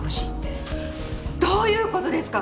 どういうことですか？